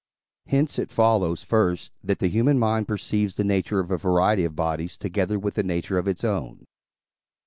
Hence it follows, first, that the human mind perceives the nature of a variety of bodies, together with the nature of its own.